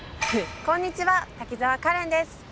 こんにちは滝沢カレンです。